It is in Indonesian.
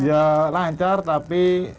ya lancar tapi